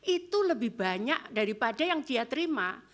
itu lebih banyak daripada yang dia terima